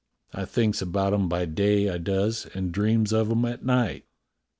I thinks about 'em by day, I does, and dreams of 'em at night."